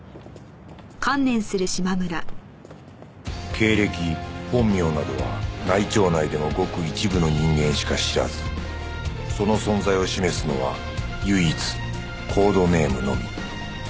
経歴本名などは内調内でもごく一部の人間しか知らずその存在を示すのは唯一コードネームのみ